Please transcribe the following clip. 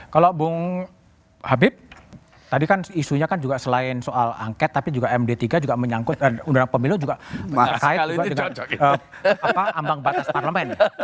kalau bung habib tadi kan isunya kan juga selain soal angket tapi juga md tiga juga menyangkut undang undang pemilu juga kait juga dengan ambang batas parlemen